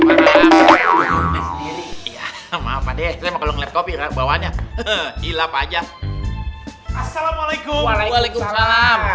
karr member up coffee akan bawanya ilafajah assalamu'alaikum waalaikumsalam